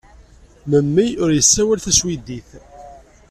Memmi ur yessawal taswidit.